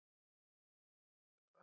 baik kita akan berjalan naik